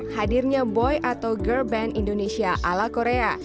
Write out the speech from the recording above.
hadirnya boy atau girl band indonesia ala korea